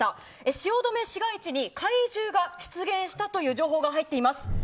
汐留市街地に怪獣が出現したという情報がはいっております。